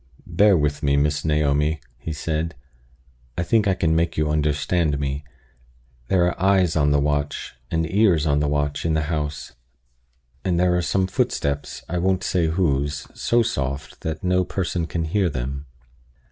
"Bear with me, Miss Naomi," he said. "I think I can make you understand me. There are eyes on the watch, and ears on the watch, in the house; and there are some footsteps I won't say whose so soft, that no person can hear them."